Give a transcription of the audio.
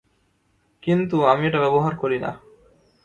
কিন্তু আমি এটা ব্যবহার করি না।